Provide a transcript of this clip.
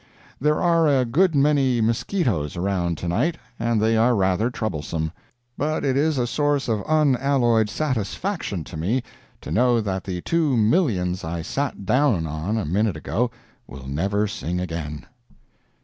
There are a good many mosquitoes around to night and they are rather troublesome; but it is a source of unalloyed satisfaction to me to know that the two millions I sat down on a minute ago will never sing again.